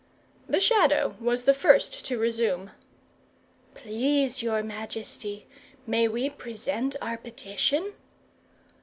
The Shadow was the first to resume. "Please your majesty, may we present our petition?"